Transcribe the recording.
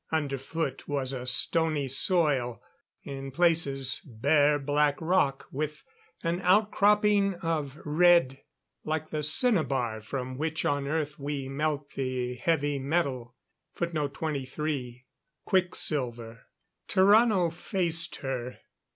Underfoot was a stony soil; in places, bare black rock with an outcropping of red, like the cinnabar from which on Earth we melt the Heavy metal. [Footnote 23: Quicksilver.] Tarrano faced her.